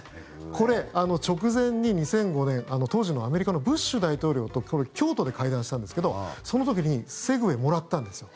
これ、直前に２００５年当時のアメリカのブッシュ大統領と京都で会談したんですけどその時にセグウェイもらったんですよ。